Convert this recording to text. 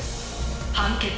「判決。